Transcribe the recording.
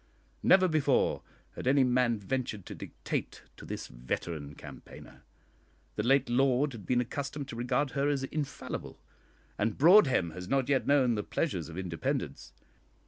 Never before had any man ventured to dictate to this veteran campaigner. The late Lord had been accustomed to regard her as infallible, and Broadhem has not yet known the pleasures of independence.